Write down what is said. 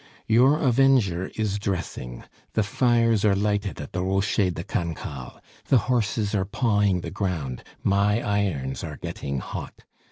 "Your avenger is dressing; the fires are lighted at the Rocher de Cancale; the horses are pawing the ground; my irons are getting hot.